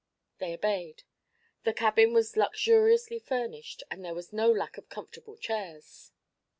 They obeyed. The cabin was luxuriously furnished and there was no lack of comfortable chairs.